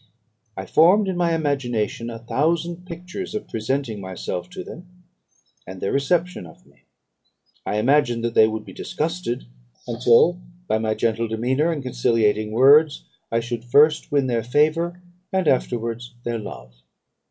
I formed in my imagination a thousand pictures of presenting myself to them, and their reception of me. I imagined that they would be disgusted, until, by my gentle demeanour and conciliating words, I should first win their favour, and afterwards their love.